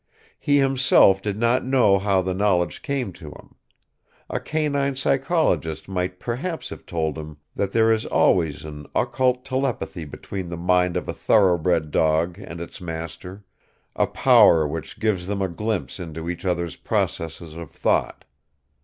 He himself did not know how the knowledge came to him. A canine psychologist might perhaps have told him that there is always an occult telepathy between the mind of a thoroughbred dog and its master, a power which gives them a glimpse into each other's processes of thought.